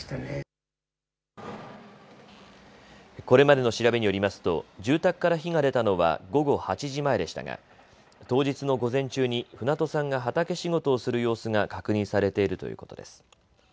これまでの調べによりますと住宅から火が出たのは午後８時前でしたが当日の午前中に船戸さんが畑仕事をする様子が確認されているということです。